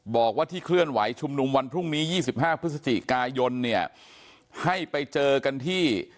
บอกว่าที่เคลื่อนไหวชุมนุมวันพรุ่งนี้๒๕พฤศจิกายนเนี่ยให้ไปเจอกันที่